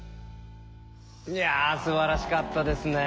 いやすばらしかったですね。